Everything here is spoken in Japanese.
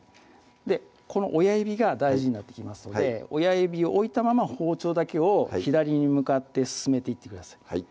この親指が大事になってきますので親指を置いたまま包丁だけを左に向かって進めていってください